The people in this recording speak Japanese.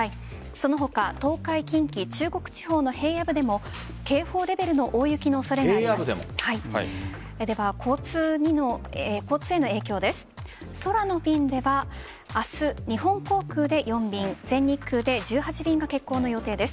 その他東海、近畿、中国地方の平野部でも警報レベルの大雪の恐れがあります。